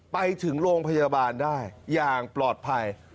ไปถึงโรงพยาบาลได้อย่างปลอดภัย